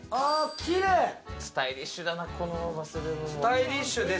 スタイリッシュだな、このバスルームも。